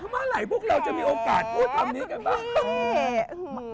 เมื่อไหร่พวกเราจะมีโอกาสพูดคำนี้กันบ้าง